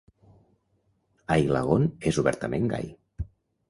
Aillagon és obertament gai.